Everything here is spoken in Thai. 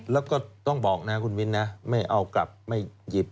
แล้วก็ต้องบอกนะคุณมิ้นนะไม่เอากลับไม่หยิบ